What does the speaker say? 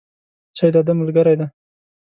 چای د ادب ملګری دی.